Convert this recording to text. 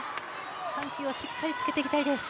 緩急をしっかりつけていきたいです。